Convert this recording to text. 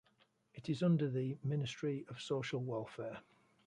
It is under the Ministry of Social Welfare.